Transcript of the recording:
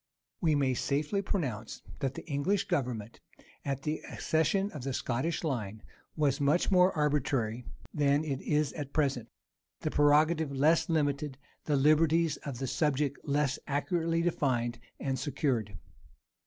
We may safely pronounce that the English government, at the accession of the Scottish line, was much more arbitrary than it is at present; the prerogative less limited, the liberties of the subject less accurately defined and secured.